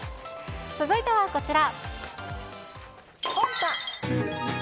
続いてはこちら。